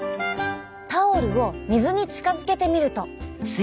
タオルを水に近づけてみると。